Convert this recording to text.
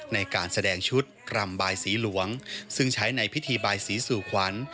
ในการแสดงชุดรำบายสีหลวงซึ่งใช้ในพิธีบายสีสู่ขวัญ